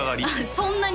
そんなに？